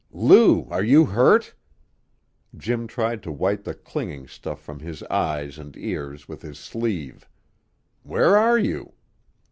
"Lou, are you hurt?" Jim tried to wipe the clinging stuff from his eyes and ears with his sleeve. "Where are you?"